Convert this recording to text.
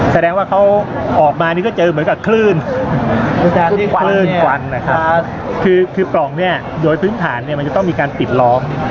แสดงว่าเขาออกมานี่ก็เจอเหมือนกับคลื่นควันนะครับคือปล่องเนี่ยโดยพื้นฐานเนี่ยมันจะต้องมีการปิดล้อม